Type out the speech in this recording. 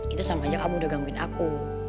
itu sama aja kamu udah gangguin aku